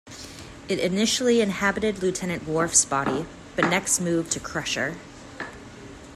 It initially inhabited Lieutenant Worf's body, but next moved to Crusher.